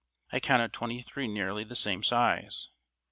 I counted twenty three nearly the same size.